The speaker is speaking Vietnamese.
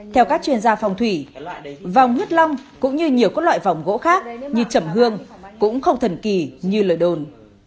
theo các chuyên gia phòng thủy vòng huyết lòng cũng như nhiều loại vòng gỗ khác như trầm hương cũng không thần kỳ như lời đồn